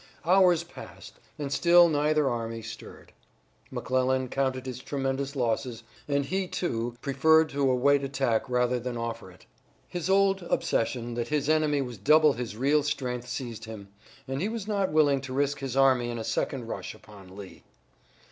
Hours passed and still neither army stirred. McClellan counted his tremendous losses, and he, too, preferred to await attack rather than offer it. His old obsession that his enemy was double his real strength seized him, and he was not willing to risk his army in a second rush upon Lee.